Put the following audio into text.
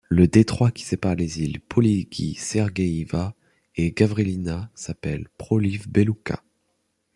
Le détroit qui sépare les îles Pologiy-Sergeïeva et Gavrilina s'appelle Proliv Belukha.